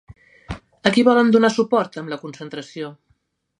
A qui volen donar suport amb la concentració?